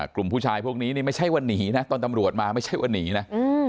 กลุ่มผู้ชายพวกนี้นี่ไม่ใช่ว่าหนีนะตอนตำรวจมาไม่ใช่ว่าหนีนะ